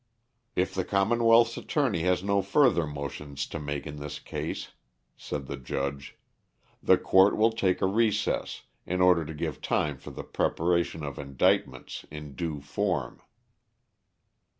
"If the commonwealth's attorney has no further motions to make in this case," said the judge, "the court will take a recess, in order to give time for the preparation of indictments in due form."